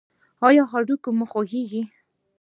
ایا هډوکي مو خوږیږي؟